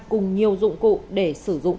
cùng nhiều dụng cụ để sử dụng